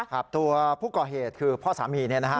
ครับตัวผู้ก่อเหตุคือพ่อสามีเนี่ยนะฮะ